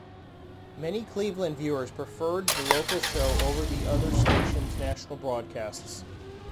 Many Cleveland viewers preferred the local show over the other stations' national broadcasts.